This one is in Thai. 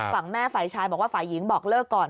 ฝั่งแม่ฝ่ายชายบอกว่าฝ่ายหญิงบอกเลิกก่อน